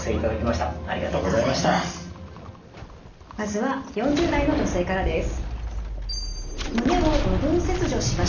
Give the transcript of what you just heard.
まずは４０代の女性からです。